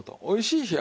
おいしい